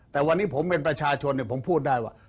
แต่วันนี้ผมเป็นประชาชนผมพูดได้ว่า